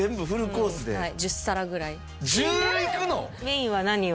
メインは何を？